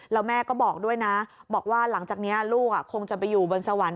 แล้วแม่ก็บอกด้วยนะบอกว่าหลังจากนี้ลูกคงจะไปอยู่บนสวรรค